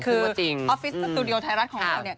คือออฟฟิศสตูดิโอไทยรัฐของเราเนี่ย